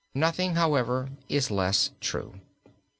Nothing, however, is less true.